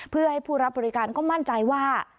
เพื่อให้ผู้รับบริการก็มั่นใจว่า